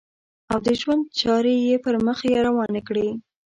او د ژوند چارې یې پر مخ روانې کړې.